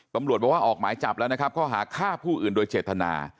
ตำรวจบอกว่าออกหมายจับแล้วนะครับข้อหาฆ่าผู้อื่นโดยเจตนา